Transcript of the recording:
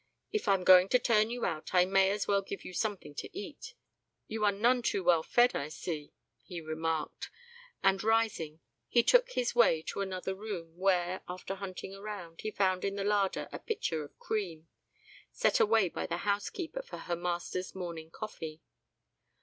"If I'm going to turn you out, I may as well give you something to eat. You are none too well fed, I see," he remarked; and, rising, he took his way to another room, where, after hunting around, he found in the larder a pitcher of cream, set away by the housekeeper for her master's morning coffee.